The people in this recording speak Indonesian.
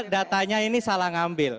datanya ini salah ngambil